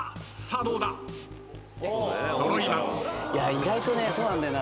意外とそうなんだよな。